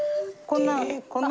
こんな。